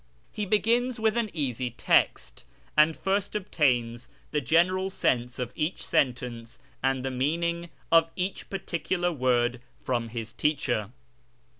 He begins with an easy text, and first obtains the general sense of each sentence and the meaning of each particular word from his teacher.